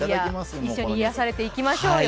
一緒に癒やされていきましょうよ。